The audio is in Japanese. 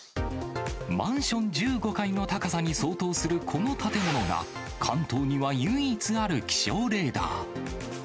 マンション１５階の高さに相当するこの建物が、関東には唯一ある気象レーダー。